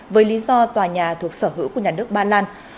với lý do tòa nhà thuộc sở hữu của nhà nước ba lan